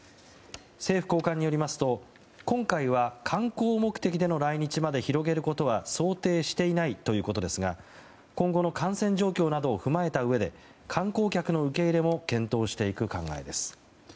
政府高官によりますと今回は観光目的での来日まで広げることは想定していないということですが今後の感染状況などを踏まえたうえで観光客の受け入れも検討していく考えです。